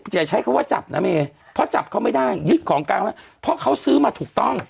อย่าใช้คำว่าจับนะเมเพราะจับเขาไม่ได้ยึดของกลางไว้เพราะเขาซื้อมาถูกต้อง